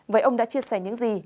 vậy ông đã chia sẻ những gì